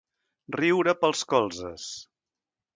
Riure pels colzes.